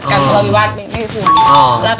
การส่วนละวิวัดนี่ไม่ควร